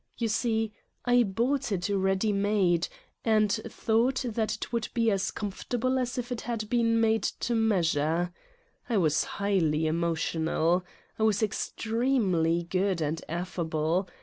Yon see, I bought it ready made and thought that it would be as comforatble as if it had been made to measure ! I was highly emotional. I was ex tremely good and affable.